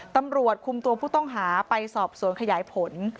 ตำรวจคุมตัวผู้ต้องหาไปสอบสวนขยายผล